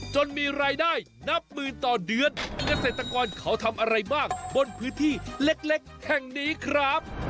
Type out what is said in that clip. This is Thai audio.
จนมีรายได้นับหมื่นต่อเดือนเกษตรกรเขาทำอะไรบ้างบนพื้นที่เล็กแห่งนี้ครับ